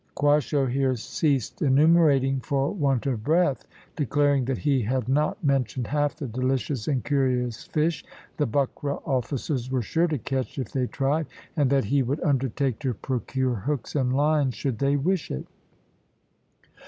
Quasho here ceased enumerating for want of breath, declaring that he had not mentioned half the delicious and curious fish the buckra officers were sure to catch if they tried; and that he would undertake to procure hooks and lines should they wish it.